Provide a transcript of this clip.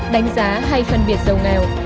đánh giá hay phân biệt giàu nghèo